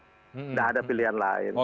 tidak ada pilihan lain